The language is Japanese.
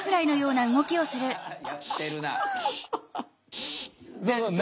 やってるな！